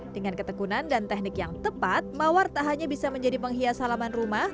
dengan ketekunan dan teknik yang tepat mawar tak hanya bisa menjadi penghias halaman rumah